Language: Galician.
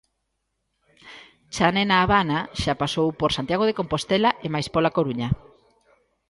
Chané na Habana xa pasou por Santiago de Compostela e mais pola Coruña.